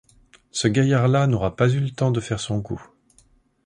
ce gaillard-là n’aura pas eu le temps de faire son coup.